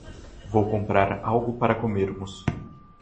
Vou comprar algo para comermos.